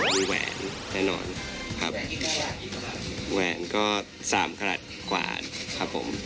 มีแหวนแน่นอนครับแหวนก็๓กระหลัดขวานครับผม